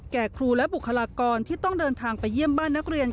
แก่ครูและบุคลากรที่ต้องเดินทางไปเยี่ยมบ้านนักเรียน